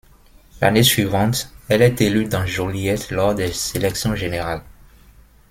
L'année suivante, elle est élue dans Joliette lors des élections générales.